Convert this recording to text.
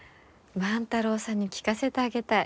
万太郎さんに聞かせてあげたい。